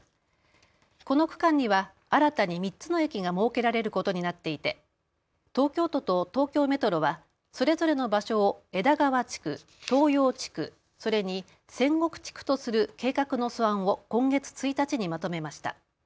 この区間には新たに３つの駅が設けられることになっていて東京都と東京メトロはそれぞれの場所を枝川地区、東陽地区、それに千石地区とする計画の素案を今月１日にまとめました。